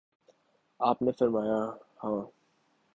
آپ نے فرمایا: ہاں